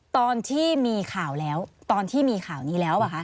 ตอนที่มีข่าวนี้แล้วป่ะคะ